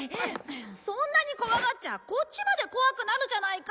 そんなに怖がっちゃこっちまで怖くなるじゃないか！